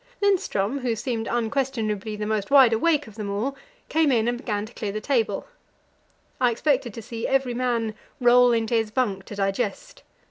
Lindström, who now seemed unquestionably the most wideawake of them all, came in and began to clear the table. I expected to see every man roll into his bunk to digest.